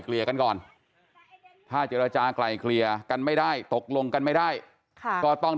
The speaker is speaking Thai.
เดี๋ยวก็ต้องเรียกทั้งสอง